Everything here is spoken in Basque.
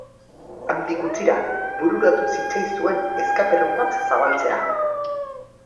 Handik gutxira bururatu zitzaizuen escape room bat zabaltzea?